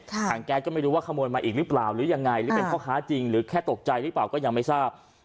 ถังแก๊สก็ไม่รู้ว่าขโมยมาอีกหรือเปล่าหรือยังไงหรือเป็นพ่อค้าจริงหรือแค่ตกใจหรือเปล่าก็ยังไม่ทราบ